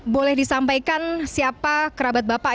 boleh disampaikan siapa kerabat bapak